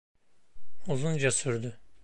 Uzunca sürdü.